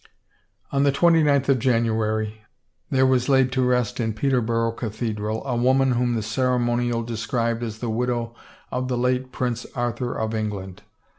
On the 29th of January there was laid to rest in Peter borough Cathedral a woman whom the ceremonial de scribed as the Widow of the late Prince Arthur of Eng land.